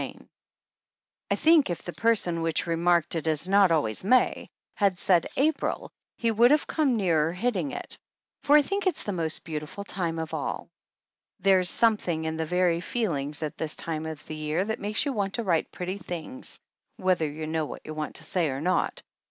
"1 CHAPTER IX I THINK if the person which remarked, "It is not always May," had said April he would have come nearer hitting it, for I think it is the most beautiful time of all. There's something in the very feelings at this time of the year that makes you want to write pretty things, whether you know what you want to say or not.